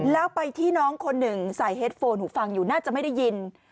แล้วไปที่น้องคนหนึ่งใส่เฮดโฟนหูฟังอยู่น่าจะไม่ได้ยิน